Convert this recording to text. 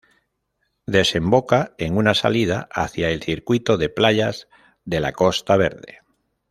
Desemboca en una salida hacia el circuito de playas de la Costa Verde.